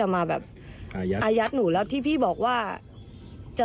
เมาอย่างเขา